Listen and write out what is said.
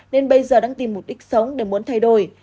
nên bây giờ đang tìm mục đích sống để muốn thay đổi